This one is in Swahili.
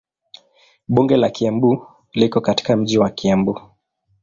Bunge la Kiambu liko katika mji wa Kiambu.